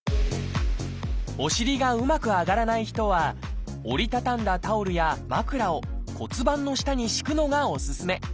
お尻がうまく上がらない人は折り畳んだタオルや枕を骨盤の下に敷くのがおすすめ。